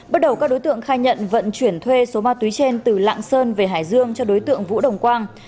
bước đầu các đối tượng khai nhận vận chuyển thuê số ma túy trên từ lạng sơn về hải dương cho đối tượng vũ đồng quang